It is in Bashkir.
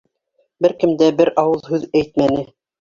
Бер кем дә бер ауыҙ һүҙ әйтмәне.